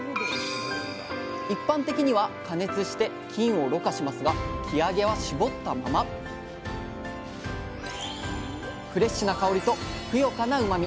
一般的には加熱して菌をろ過しますがフレッシュな香りとふくよかなうまみ。